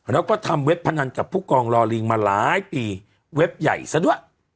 แล้วก็ทำเว็บพนันกับผู้กองรอลิงมาหลายปีเว็บใหญ่ซะด้วย